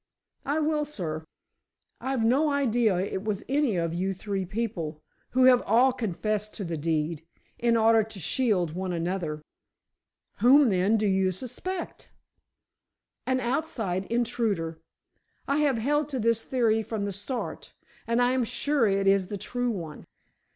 "I will, sir. I've no idea it was any of you three people, who have all confessed to the deed, in order to shield one another." "Whom then do you suspect?" "An outside intruder. I have held to this theory from the start, and I am sure it is the true one.